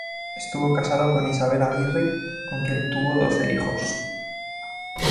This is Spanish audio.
Estuvo casado con Isabel Aguirre, con quien tuvo doce hijos.